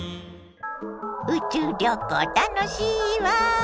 宇宙旅行楽しいわ。